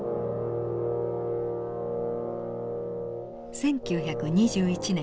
１９２１年。